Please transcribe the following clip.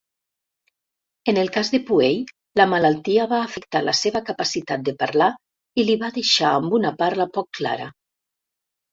En el cas de Puey, la malaltia va afectar la seva capacitat de parlar i li va deixar amb una parla poc clara.